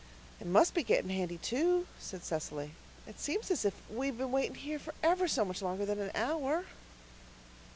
"It must be getting handy two," said Cecily. "It seems as if we'd been waiting here for ever so much longer than an hour."